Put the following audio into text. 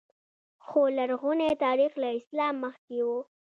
خو لرغونی تاریخ له اسلام مخکې و